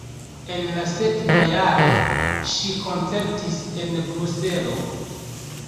En la sekva jaro ŝi koncertis en Bruselo.